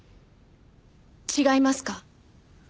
違いますか？